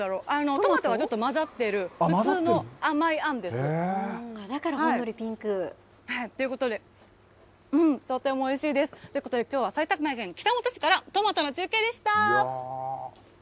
トマトがちょっと混ざってる、普だからほんのりピンク。ということで、とてもおいしいです。ということで、きょうは埼玉県北本市から、トマトの中継でした。